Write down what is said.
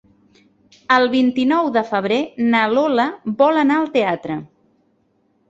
El vint-i-nou de febrer na Lola vol anar al teatre.